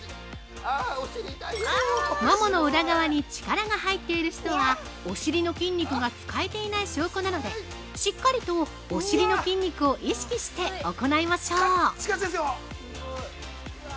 ◆ももの裏側に力が入っている人は、お尻の筋肉が使えていない証拠なので、しっかりとお尻の筋肉を意識して行いましょう。